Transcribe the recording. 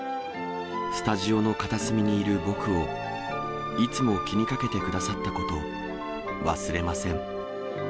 スタジオの片隅にいる僕を、いつも気にかけてくださったこと、忘れません。